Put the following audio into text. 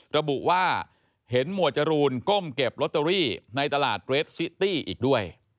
ระบุว่าเห็นหมวดจรูนก้มเก็บลอตเตอรี่ในตลาดเรสซิตี้อีกด้วย